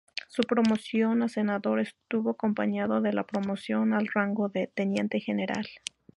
Su promoción a senador estuvo acompañado de la promoción al rango de teniente general.